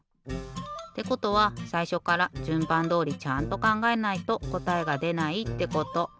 ってことはさいしょからじゅんばんどおりちゃんとかんがえないとこたえがでないってこと。